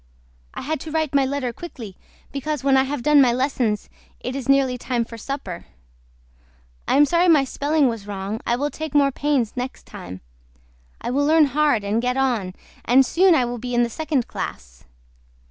I HAD TO WRITE MY LETTER QUICKLY BECAUSE WHEN I HAVE DONE MY LESSONS IT IS NEARLY TIME FOR SUPPER. I AM SORRY MY SPELLING WAS WRONG I WILL TAKE MORE PAINS NEXT TIME I WILL LEARN HARD AND GET ON AND SOON I WILL BE IN THE SECOND CLASS.